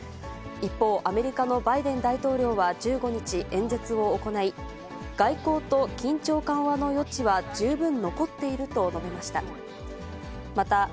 一方、アメリカのバイデン大統領は１５日、演説を行い、外交と緊張緩和の余地は十分残っていると述べました。